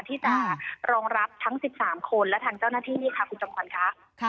ที่จะรองรับทั้ง๑๓คนและทางเจ้าหน้าที่นี่ค่ะคุณจำขวัญค่ะ